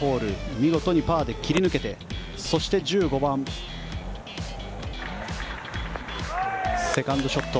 見事にパーで切り抜けてそして１５番セカンドショット。